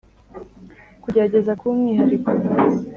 kugerageza kuba umwihariko.